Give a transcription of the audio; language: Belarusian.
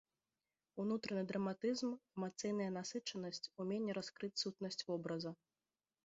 Унутраны драматызм, эмацыйная насычанасць, уменне раскрыць сутнасць вобраза.